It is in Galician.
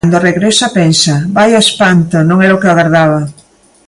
Cando regresa, pensa: "Vaia espanto! Non era o que agardaba".